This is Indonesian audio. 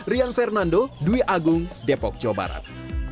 rian fernando dwi agung depok jawa barat